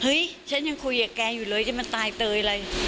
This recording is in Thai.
ฉันยังคุยกับแกอยู่เลยจะมาตายเตยอะไร